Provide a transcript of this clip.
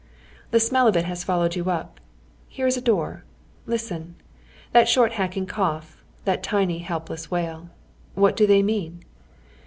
The smell of it has followed yon up. Here is a door. Listen ! That short hacking cough, that tiny, helpless wail — what do they mean?